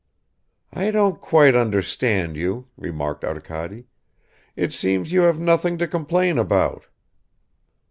"I don't quite understand you," remarked Arkady, "it seems you have nothing to complain about."